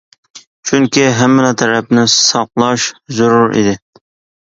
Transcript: چۈنكى ھەممىلا تەرەپنى ساقلاش زۆرۈر ئىدى.